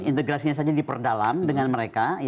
integrasinya saja diperdalam dengan mereka